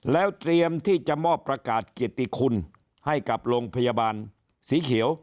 แล้วเตรียมที่จะมอบประกาศเกียรติคุณให้กับโรงพยาบาลสีเขียว